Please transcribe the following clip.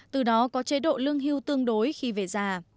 từ đó có chế độ lương hưu tương đối khi về già